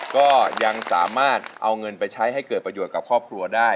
ก็ยังสามารถเอาเงินไปใช้ให้เกิดประโยชน์กับครอบครัวได้